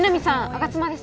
吾妻です